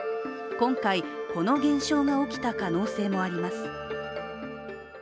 今回、この現象が起きた可能性もあります。